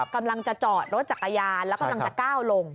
กำลังจะจอดรถจักรยานแล้วกำลังจะก้าวลง